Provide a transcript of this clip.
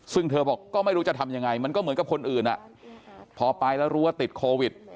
ซึ่งเธอบอกก็ไม่รู้จะทำยังไงมันก็เหมือนกับคนอื่นพอไปแล้วรู้ว่าติดโควิด